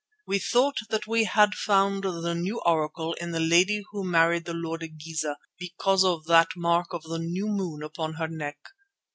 We thought that we had found the new Oracle in the lady who married the Lord Igeza, because of that mark of the new moon upon her neck.